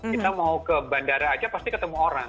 kita mau ke bandara aja pasti ketemu orang